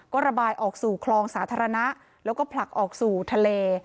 ก็ระบายออกสู่คลองสาธารณะแล้วก็ผลักออกสู่ทะเล